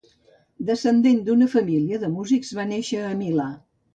Descendent d'una família de músics, va néixer a Milà.